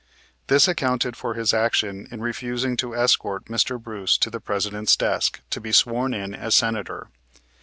This accounted for his action in refusing to escort Mr. Bruce to the President's desk to be sworn in as Senator.